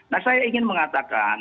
nah saya ingin mengatakan